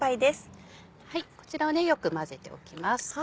こちらをよく混ぜておきます。